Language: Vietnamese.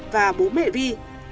và bố mẹ vy